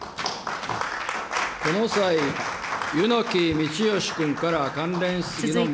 その際、柚木道義君から関連質疑の。